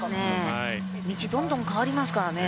道どんどん変わりますからね。